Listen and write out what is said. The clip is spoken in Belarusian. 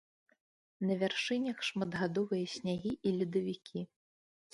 На вяршынях шматгадовыя снягі і ледавікі.